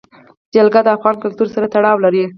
جلګه د افغان کلتور سره تړاو لري.